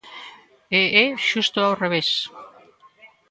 E é xusto ao revés.